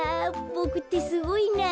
ボクってすごいな。